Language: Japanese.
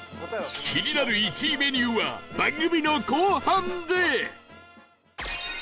気になる１位メニューは番組の後半で！